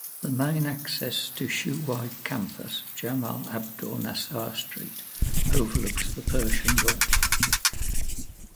The main access to Shuwaikh campus, Jamal Abdul Nassar Street, overlooks the Persian Gulf.